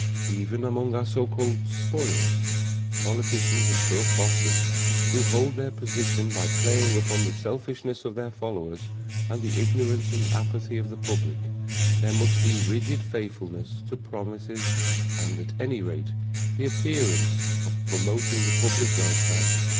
Even among our so called "spoils" politicians and corrupt bosses, who hold their positions by playing upon the selfishness of their followers and the ignorance and apathy of the public, there must be rigid faithfulness to promises, and, at any rate, the appearance of promoting the public welfare.